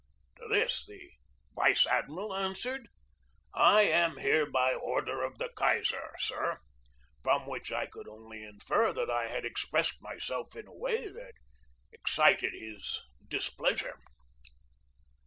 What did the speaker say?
To this the vice admiral answered: "I am here by order of the Kaiser, sir"; from which I could only infer that I had expressed myself in a way that excited his displeasure.